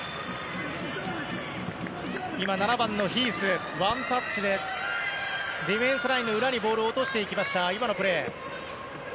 ７番のヒースワンタッチでディフェンスラインの裏にボールを落としていきました。